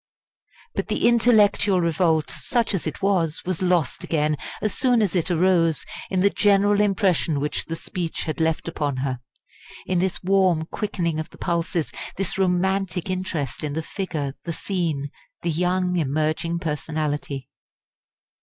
But the intellectual revolt, such as it was, was lost again, as soon as it arose, in the general impression which the speech had left upon her in this warm quickening of the pulses, this romantic interest in the figure, the scene, the young emerging personality.